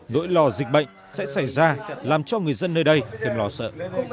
đỗi lò dịch bệnh sẽ xảy ra làm cho người dân nơi đây thêm lo sợ